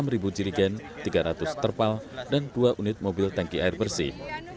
enam ribu jirigen tiga ratus terpal dan dua unit mobil tanki air bersih